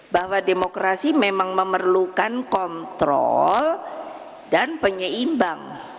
bahwa demokrasi memang memerlukan kontrol dan penyeimbang